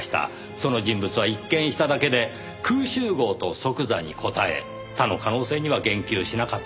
その人物は一見しただけで空集合と即座に答え他の可能性には言及しなかった。